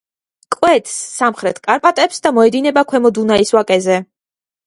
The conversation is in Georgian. კვეთს სამხრეთ კარპატებს და მიედინება ქვემო დუნაის ვაკეზე.